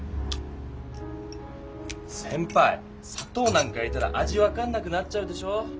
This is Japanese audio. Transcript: せんぱいさとうなんか入れたら味分かんなくなっちゃうでしょ！